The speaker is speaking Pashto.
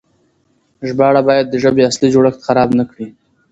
ژباړه بايد د ژبې اصلي جوړښت خراب نه کړي.